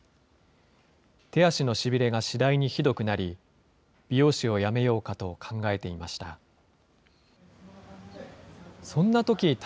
手足のしびれが次第にひどくなり、美容師を辞めようかと考えていました。